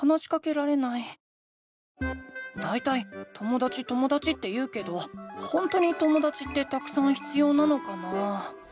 だいたいともだちともだちって言うけどほんとにともだちってたくさん必要なのかな？